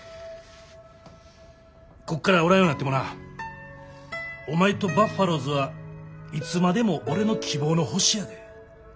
こっからおらんようなってもなお前とバファローズはいつまでも俺の希望の星やで。